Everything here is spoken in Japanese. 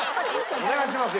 お願いしますよ